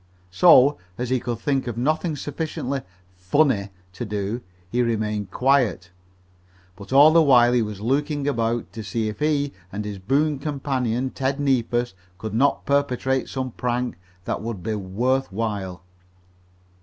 So, as he could think of nothing sufficiently "funny" to do, he remained quiet. But all the while he was looking about to see if he and his boon companion, Ted Neefus, could not perpetrate some prank that would be "worth while."